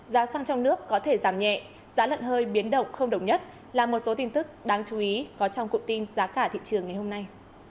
giá xăng trong nước có thể giảm nhẹ giá lợn hơi biến động không đồng nhất là một số tin tức đáng chú ý có trong cụm tin giá cả thị trường ngày hôm nay